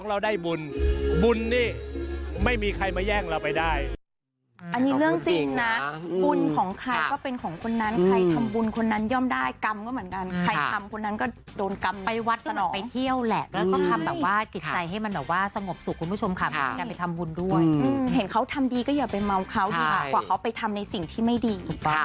อันนี้เรื่องจริงนะบุญของใครก็เป็นของคนนั้นใครทำบุญคนนั้นย่อมได้กรรมก็เหมือนกันใครทำคนนั้นก็โดนกรรมไปเที่ยวแหละแล้วก็ติดใจให้มันสงบสุขคุณผู้ชมค่ะการไปทำบุญด้วยเห็นเขาทำดีก็อย่าไปเมาเขาดีกว่าเขาไปทำในสิ่งที่ไม่ดี